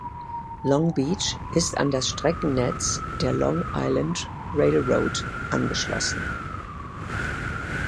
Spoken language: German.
Long Beach ist an das Streckennetz der Long Island Rail Road angeschlossen.